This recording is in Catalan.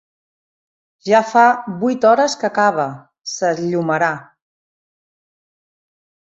Ja fa vuit hores que cava: s'esllomarà.